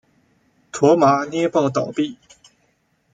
驼马捏报倒毙。